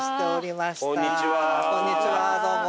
こんにちはどうも。